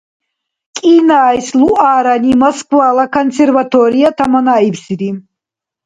КӀинайс Луарани Москвала консерватория таманаибсири.